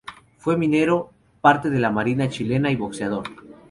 Fue minero, parte de la Marina chilena y boxeador.